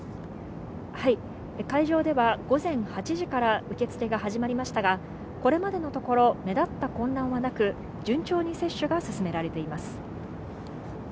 会場では午前８時から受け付けが始まりましたが、これまでのところ目立った混乱はなく、順調に接種が進められています。